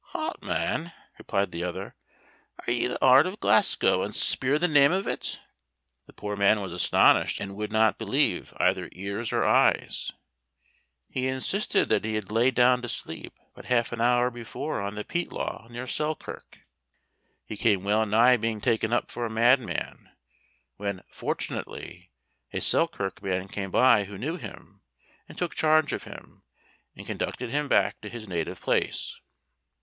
"Hout man," replied the other, "are ye in the heart o' Glasgow, and speer the name of it?" The poor man was astonished, and would not believe either ears or eyes; he insisted that he had lain down to sleep but half an hour before on the Peatlaw, near Selkirk. He came well nigh being taken up for a madman, when, fortunately, a Selkirk man came by, who knew him, and took charge of him, and conducted him back to his native place.